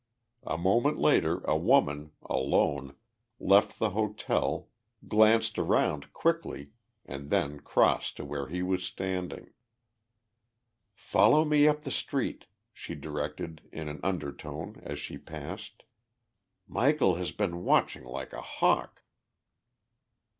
A moment later a woman, alone, left the hotel, glanced around quickly, and then crossed to where he was standing. "Follow me up the street," she directed in an undertone as she passed. "Michel has been watching like a hawk."